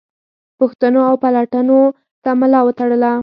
پوښتنو او پلټنو ته ملا وتړله.